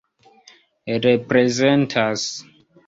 reprezentas